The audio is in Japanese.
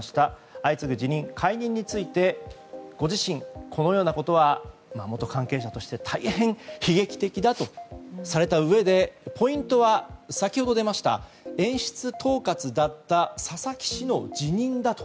相次ぐ辞任、解任についてご自身、このようなことは元関係者として大変悲劇的だとされたうえでポイントは先ほど出ました演出統括だった佐々木氏の辞任だと。